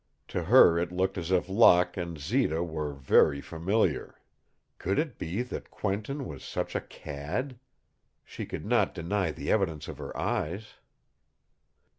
To her it looked as if Locke and Zita were very familiar. Could it be that Quentin was such a cad? She could not deny the evidence of her eyes.